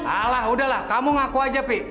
alah udahlah kamu ngaku aja pi